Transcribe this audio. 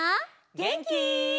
げんき？